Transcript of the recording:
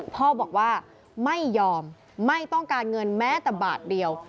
พ่อบอกว่าไม่ยอมไม่ต้องการเงินแม้แต่บาทเดียว